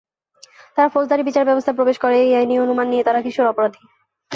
তারা ফৌজদারি বিচার ব্যবস্থায় প্রবেশ করে এই আইনী অনুমান নিয়ে যে তারা কিশোর অপরাধী।